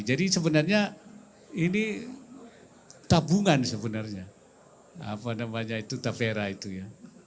jadi sebenarnya ini tabungan sebenarnya apa namanya itu tafera itu ya